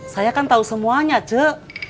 saya kan tahu semuanya jek